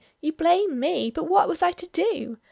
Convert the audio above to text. You blame me but what was I to do?